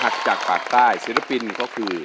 หักจากหักใต้ศิลปินเขาก็คือ